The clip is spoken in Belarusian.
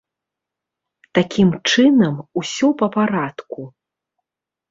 Такім чынам, усё па парадку.